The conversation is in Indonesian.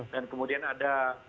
dan kemudian ada